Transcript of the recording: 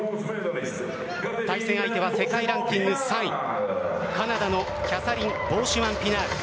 対戦相手は世界ランキング３位カナダのキャサリン・ボーシュマンピナール。